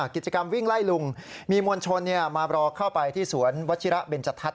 กิจกรรมวิ่งไล่ลุงมีมวลชนมารอเข้าไปที่สวนวัชิระเบนจทัศน